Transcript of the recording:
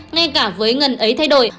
ngay cả với ngân ấy thay đổi